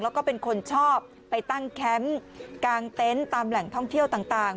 แล้วก็เป็นคนชอบไปตั้งแคมป์กลางเต็นต์ตามแหล่งท่องเที่ยวต่าง